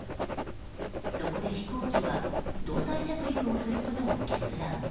そこで飛行機は胴体着陸をすることを決断。